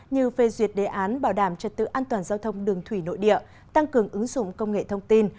như phê duyệt đề án bảo đảm trật tự an toàn giao thông đường thủy nội địa tăng cường ứng dụng công nghệ thông tin